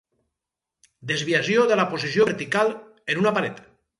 Desviació de la posició vertical en una paret.